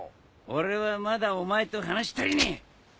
俺はまだお前と話し足りねえ！